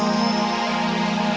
p when heidi terakhir bahasa inggris